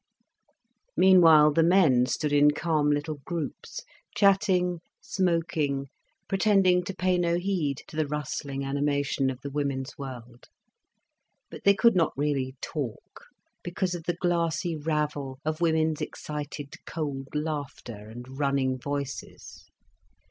Meanwhile the men stood in calm little groups, chatting, smoking, pretending to pay no heed to the rustling animation of the women's world. But they could not really talk, because of the glassy ravel of women's excited, cold laughter and running voices.